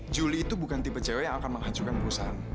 julie itu bukan tipe cewek yang akan menghancurkan perusahaan